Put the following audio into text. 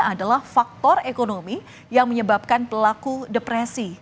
adalah faktor ekonomi yang menyebabkan pelaku depresi